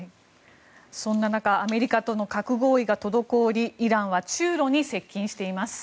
そんな中アメリカとの核合意が滞りイランは中ロに接近しています。